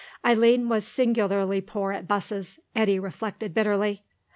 Eileen was singularly poor at buses, Eddy reflected bitterly.